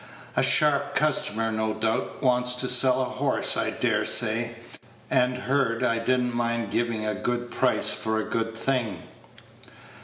A sharp customer, no doubt; wants to sell a horse, I dare say, and heard I did n't mind giving a good price for a good thing."